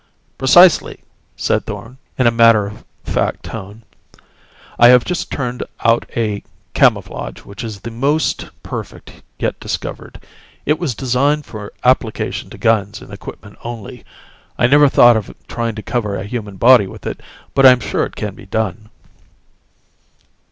"Precisely," said Thorn in a matter of fact tone. "I have just turned out a camouflage which is the most perfect yet discovered. It was designed for application to guns and equipment only. I'd never thought of trying to cover a human body with it, but I am sure it can be done."